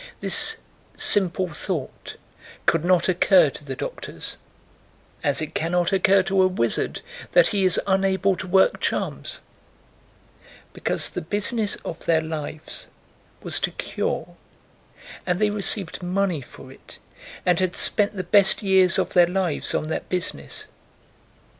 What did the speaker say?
This simple thought could not occur to the doctors (as it cannot occur to a wizard that he is unable to work his charms) because the business of their lives was to cure, and they received money for it and had spent the best years of their lives on that business.